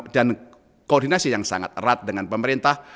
dan koordinasi yang sangat erat dengan pemerintah